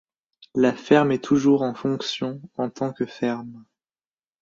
La ferme est toujours en fonction en tant que ferme.